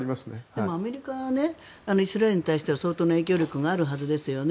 でもアメリカはイスラエルに対しては相当な影響力があるはずですよね。